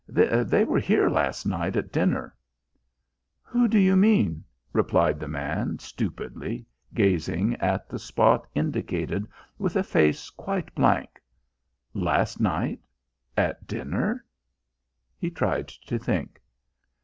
"They were here last night at dinner." "Who do you mean?" replied the man, stupidly, gazing at the spot indicated with a face quite blank. "Last night at dinner?" He tried to think.